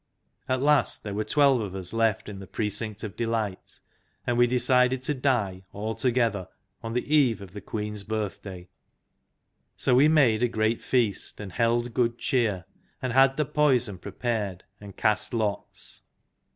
At last there were twelve of us left in the precinct of delight, and we decided to die all together on the eve of the Queen's birthday. So we made a great feast and held good cheer, and had the poison prepared and cast lots.